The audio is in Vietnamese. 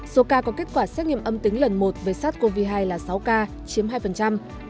số ca có kết quả xét nghiệm âm tính lần một với sars cov hai là sáu ca chiếm hai